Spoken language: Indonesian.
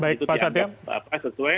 itu dianggap sesuai